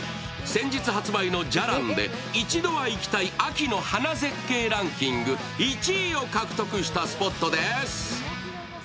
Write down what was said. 先日発売の「じゃらん」で一度は行きたい秋の花絶景ランキングで１位を獲得したスポットです。